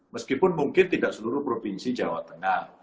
meskipun mungkin tidak seluruh provinsi jawa tengah